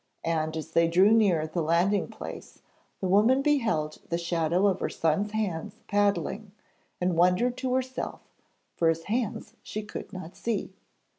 And as they drew near the landing place, the woman beheld the shadow of her son's hands paddling, and wondered to herself, for his hands she could not see.